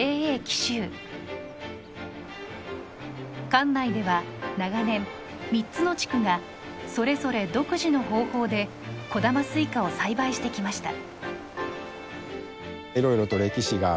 管内では長年３つの地区がそれぞれ独自の方法で小玉スイカを栽培してきました。